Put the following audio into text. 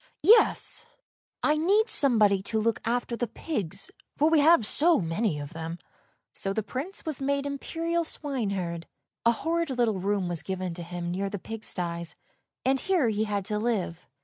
— yes, I need somebody to look after the pigs, for we have so many of them." So the Prince was made imperial swineherd. A horrid little room was given him near the pig sties, and here he had to live.